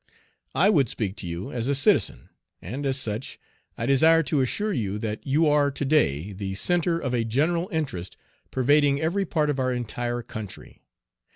I would speak to you as a citizen; and as such, I desire to assure you that you are to day the centre of a general interest pervading every part of our entire country.